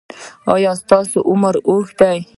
ایا ستاسو عمر اوږد دی؟